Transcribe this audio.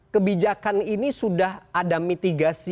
kebijakan ini sudah ada mitigasi